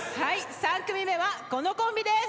３組目はこのコンビです。